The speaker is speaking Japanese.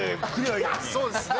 そうですね。